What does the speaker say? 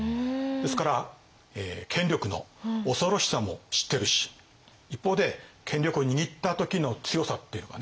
ですから権力の恐ろしさも知ってるし一方で権力を握った時の強さっていうのかね